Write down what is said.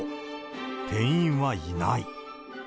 店員はいない。